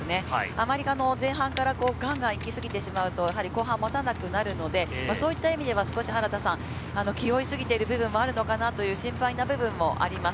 あまり前半からガンガン行きすぎてしまうと、後半もたなくなるので、そういった意味では原田さん、気負いすぎている部分もあるのかなという心配な部分もあります。